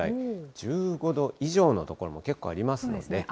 １５度以上の所も結構ありますので。